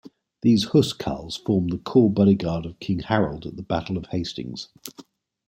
These huscarls formed the core bodyguard of King Harold at the Battle of Hastings.